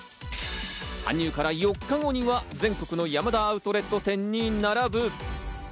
搬入から４日後には全国のヤマダアウトレット店に並ぶ。